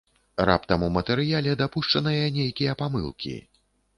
Раптам у матэрыяле дапушчаныя нейкія памылкі!